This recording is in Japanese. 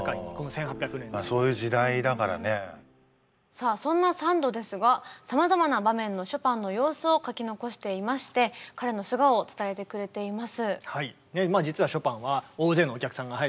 さあそんなサンドですがさまざまな場面のショパンの様子を書き残していまして彼の素顔を伝えてくれています。